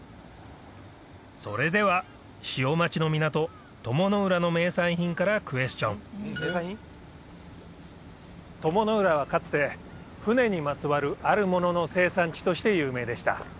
それでは潮待ちの港鞆の浦の名産品からクエスチョン鞆の浦はかつて船にまつわるあるものの生産地として有名でした